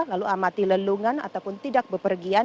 lalu amati lelungan ataupun tidak bepergian